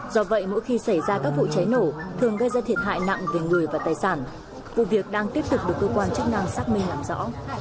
do vậy mỗi khi xảy ra các vụ cháy nổ thường gây ra thiệt hại nặng về người và tài sản vụ việc đang tiếp tục được cơ quan chức năng xác minh làm rõ